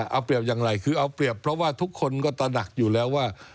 เอาเปรียบอย่างไรคือเอาเปรียบเพราะว่าทุกคนก็ตระหนักอยู่แล้วว่า